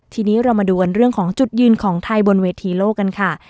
ทีนี้เรามาดูกันเรื่องของจุดยืนของไทยบนเวทีโลกกันค่ะ